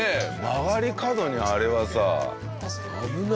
曲がり角にあれはさ。危ないよね。